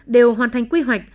đều hoàn thành quy hoạch